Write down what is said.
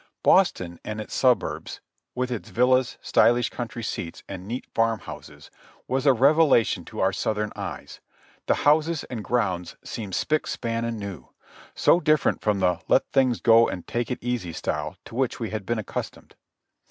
Boston and its suburbs, with its villas, stylish country seats and neat farm houses, was a revelation to our Southern eyes. The houses and grounds seemed spick, span and new, so different from the let things go and take it easy style to which we had been accustomed.